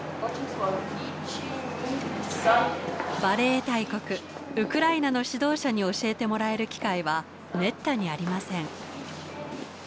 バレエ大国ウクライナの指導者に教えてもらえる機会はめったにありません。